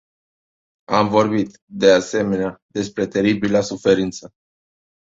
Am vorbit, de asemenea, despre teribila suferință.